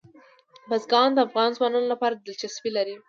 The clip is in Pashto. بزګان د افغان ځوانانو لپاره دلچسپي لري.